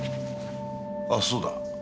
あっそうだ。